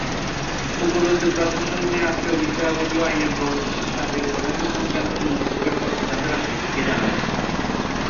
উপরন্তু, প্রধানমন্ত্রী রাষ্ট্র বিষয়াবলি ও আইনের প্রস্তাবের প্রশাসন সংক্রান্ত মন্ত্রীসভার সব সিদ্ধান্ত রাষ্ট্রপতিকে জানান।